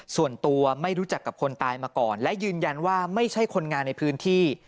ส่วนตัวไม่รู้จักกับคนตายมาก่อนและยืนยันว่าไม่ใช่คนงานในพื้นที่